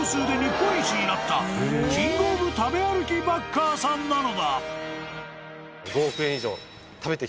［キングオブ食べ歩きバッカーさんなのだ］